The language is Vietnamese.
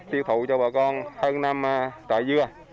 tiêu thụ cho bà con hơn năm tợi dưa